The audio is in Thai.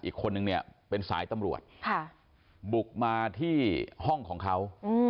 อีกคนนึงเนี่ยเป็นสายตำรวจบุกมาที่ห้องของเขา